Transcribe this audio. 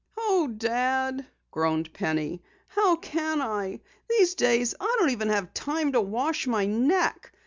"Oh, Dad," groaned Penny, "how can I? These days I don't even have time to wash my neck.